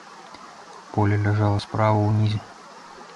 Поле ляжала справа, унізе.